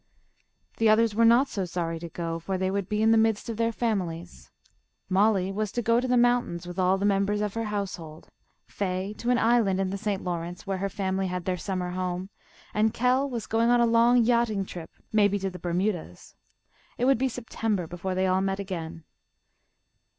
The others were not so sorry to go, for they would be in the midst of their families. Mollie was to go to the mountains with all the members of her household, Fay to an island in the St. Lawrence, where her family had their summer home, and Kell was going on a long yachting trip, maybe to the Bermudas. It would be September before they all met again.